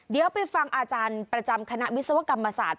เดี๋ยวไปฟังอาจารย์ประจำคณะวิศวกรรมศาสตร์